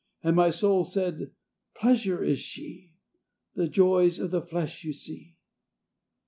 And my soul said, "Pleasure is she. The joys of the flesh you see."